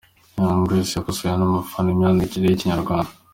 Young Grace yakosowe n’umufana imyandikire ye y’ikinyarwanda.